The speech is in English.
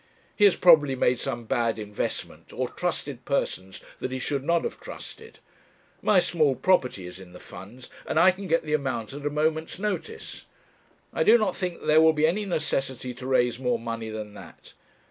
'He has probably made some bad investment, or trusted persons that he should not have trusted. My small property is in the funds, and I can get the amount at a moment's notice. I do not think there will be any necessity to raise more money than that.